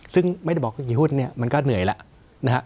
ซึ่งไม่ได้บอกกี่หุ้นเนี่ยมันก็เหนื่อยแล้วนะฮะ